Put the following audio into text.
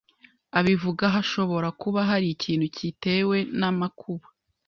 abivuga, hashobora kuba hari ikintu cyatewen'amakuba